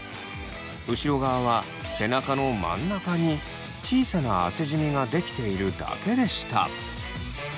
後ろ側は背中の真ん中に小さな汗じみが出来ているだけでした。